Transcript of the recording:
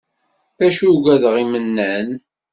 D acu ugadeɣ imennan.